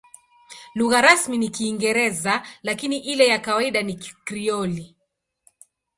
Lugha rasmi ni Kiingereza, lakini ile ya kawaida ni Krioli.